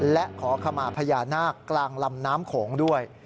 และขอขมาพญานาคกลางลำน้ำโขงด้วย